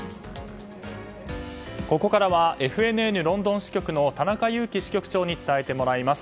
ここからはＦＮＮロンドン支局の田中雄気支局長に伝えてもらいます。